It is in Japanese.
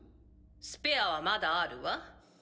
スペアはまだあるわ。